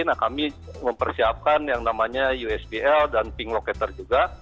nah kami mempersiapkan yang namanya usb l dan ping locator juga